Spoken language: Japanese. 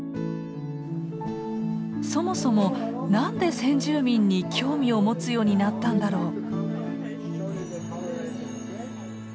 そもそも何で先住民に興味を持つようになったんだろう？